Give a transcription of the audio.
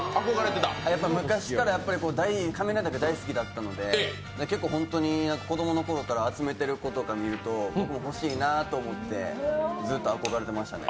昔から「仮面ライダー」が大好きだったので、結構本当に子供のころから集めてる子とか見ると僕も欲しいなと思ってずっと憧れてましたね。